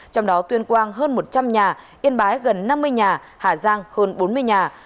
trong đó tuyên quang hơn một trăm linh nhà yên bái gần năm mươi nhà hà giang hơn bốn mươi nhà